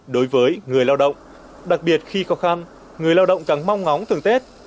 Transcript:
đối với người lao động đặc biệt khi khó khăn người lao động càng mong ngóng thường tết